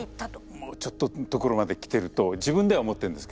もうちょっとのところまで来てると自分では思ってるんですけどね。